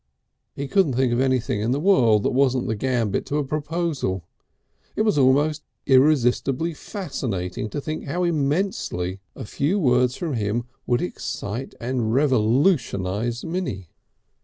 He couldn't think of anything in the world that wasn't the gambit to a proposal. It was almost irresistibly fascinating to think how immensely a few words from him would excite and revolutionise Minnie.